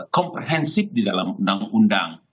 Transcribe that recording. komprehensif di dalam undang undang